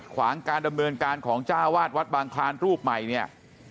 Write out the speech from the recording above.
ขวางการดำเนินการของจ้าวาดวัดบางคลานรูปใหม่เนี่ย